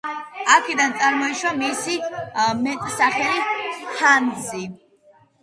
აქედან წარმოიშვა მისი მეტსახელი „ჰანსი“.